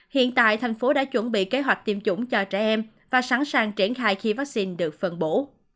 hiện tại thành phố đã chuẩn bị kế hoạch tiêm chủng cho trẻ em và sẵn sàng triển khai khi vaccine được phân bổ